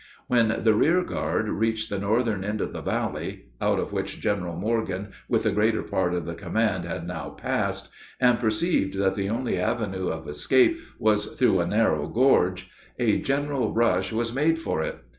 When the rear guard neared the northern end of the valley, out of which General Morgan with the greater part of the command had now passed, and perceived that the only avenue of escape was through a narrow gorge, a general rush was made for it.